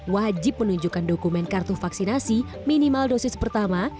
wajib menunjukkan dokumen kartu vaksinasi minimal dosis pertama